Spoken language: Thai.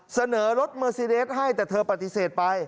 เสนอรถเมอร์ซีเดสให้แต่เธอปฏิเสธไป